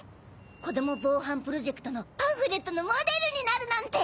子供防犯プロジェクトのパンフレットのモデルになるなんて！